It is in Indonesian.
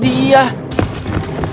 dia menangkap david